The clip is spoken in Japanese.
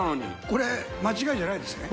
これ間違いじゃないですよね？